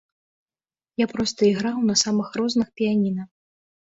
Я проста іграў на самых розных піяніна.